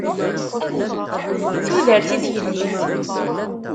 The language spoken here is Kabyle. Tudert i tgellidt!